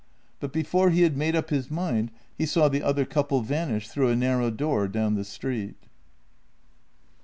But before he had made up his mind he saw the other couple vanish through a narrow door down the street.